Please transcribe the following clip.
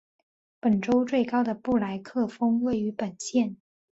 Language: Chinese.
本州最高的布莱克峰位于本县。